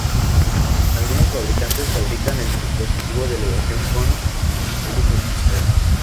Algunos fabricantes fabrican el dispositivo de elevación con pantallas incorporadas.